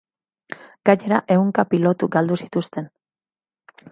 Gainera, ehunka pilotu galdu zituzten.